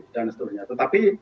dan seterusnya tetapi